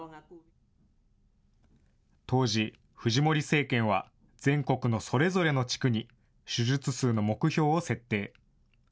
当時、フジモリ政権は、全国のそれぞれの地区に手術数の目標を設定。